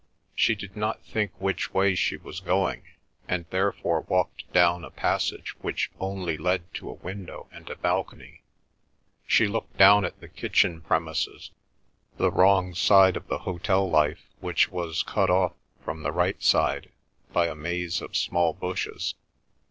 She did not think which way she was going, and therefore walked down a passage which only led to a window and a balcony. She looked down at the kitchen premises, the wrong side of the hotel life, which was cut off from the right side by a maze of small bushes.